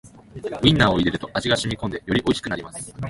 ウインナーを入れると味がしみこんでよりおいしくなります